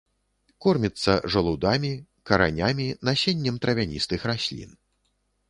Корміцца жалудамі, каранямі, насеннем травяністых раслін.